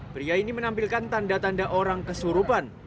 pria ini menampilkan tanda tanda orang kesurupan